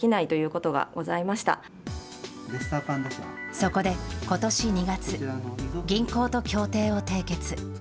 そこで、ことし２月、銀行と協定を締結。